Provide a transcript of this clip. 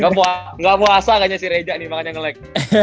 tidak puasa akannya si reja nih makanya nge lag